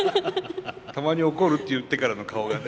たまに怒るって言ってからの顔がね。